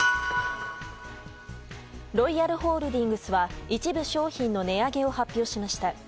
ロイヤルホールディングスは一部商品の値上げを発表しました。